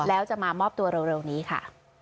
แล้วจะมามอบตัวเร็วนี้ค่ะ